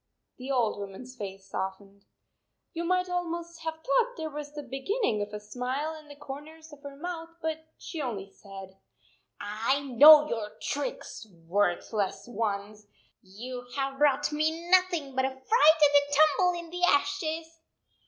The old woman s face softened. You might almost have thought there was the beginning of a smile in the corners of her mouth, but she only said, " I know your tricks, worthless ones ! You have brought me nothing but a fright and a tumble in the ashes."